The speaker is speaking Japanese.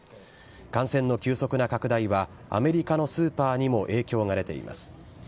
感染の急速な拡大は、アメリカのスーパーにも影響が出ています。